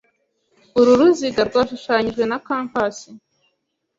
Uru ruziga rwashushanijwe na compas.